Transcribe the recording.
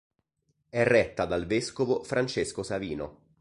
È retta dal vescovo Francesco Savino.